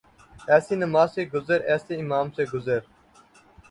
ایسی نماز سے گزر ایسے امام سے گزر